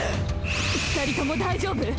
２人とも大丈夫？